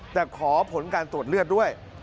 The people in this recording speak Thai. แต่ขอผลการตรวจเลือดด้วย